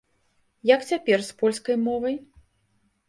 Як цяпер з польскай мовай?